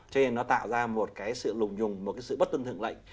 cho nên nó tạo ra một cái sự lùng nhùng một cái sự bất tương thượng lệnh